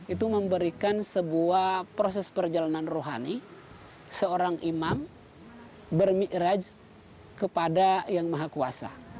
ia memberikan proses perjalanan rohani seorang imam bermi raj kepada yang maha kuasa